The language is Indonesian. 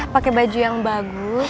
pake baju yang bagus